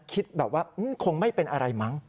คิดแบบว่าคงไม่เป็นอะไรมั้ง